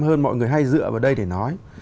hơn mọi người hay dựa vào đây để nói